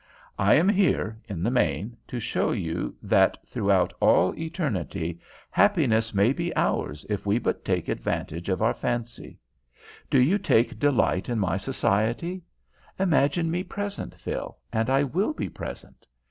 I am here, in the main, to show you that throughout all eternity happiness may be ours if we but take advantage of our fancy. Do you take delight in my society? Imagine me present, Phil, and I will be present.